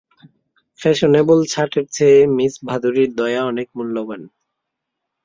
Fashionable ছাঁটের চেয়ে miss ভাদুড়ির দয়া অনেক মূল্যবান।